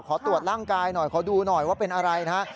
ขอตรวจร่างกายหน่อยขอดูหน่อยว่าเป็นอะไรนะฮะ